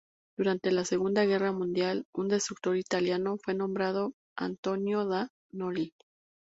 Durante la Segunda Guerra Mundial, un destructor italiano fue nombrado "Antonio da Noli".